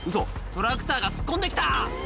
「トラクターが突っ込んできた！」